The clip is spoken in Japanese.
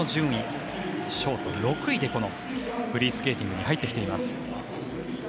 ショート、６位でフリースケーティングに入ってきています。